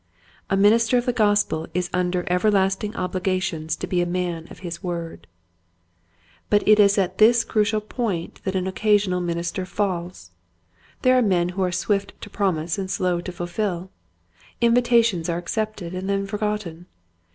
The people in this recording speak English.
A minister of the Gospel is under ever lasting obligations to be a man of his word. 164 Quiet Hints to Growing Preachers. But it is at this, crucial point that an occasional minister falls. There are men who are swift to promise and slow to fulfill. Invitations are accepted and then forgotten.